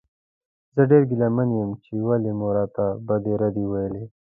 زه ډېر ګیله من یم چې ولې مو راته بدې ردې وویلې.